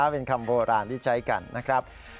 เป็นคำโบราณที่ใช้กันนะครับ